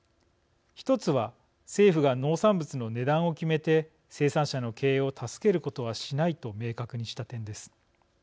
１つは、政府が農産物の値段を決めて生産者の経営を助けることはしないと明確にした点です。